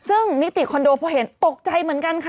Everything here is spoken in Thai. ซึ่งนิติคอนโดพอเห็นตกใจเหมือนกันค่ะ